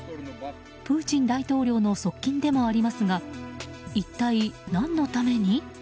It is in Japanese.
プーチン大統領の側近でもありますが一体、何のために？